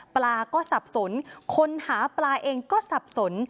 ปลาก็สับสนคนหาปลาเองก็สับสน